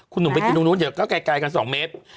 คุณหนูไปกินตรงเดี๋ยวก็ไก่กันสองเมตร